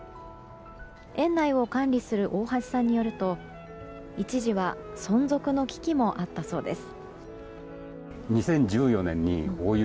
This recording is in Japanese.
園内を管理する大橋さんによると一時は存続の危機もあったそうです。